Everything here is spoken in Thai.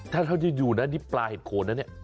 ถ้าเธอจะอยู่นั้นนี่ปลาเหตุคนนะเนี่ย